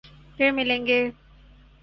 پھر ملیں گے